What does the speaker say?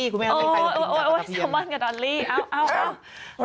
เขากินเซลมอนกับดอลลี่คุณแม่โอ้เซลมอนกับดอลลี่เอ้า